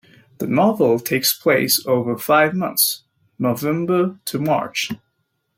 The novel takes place over five months, November to March.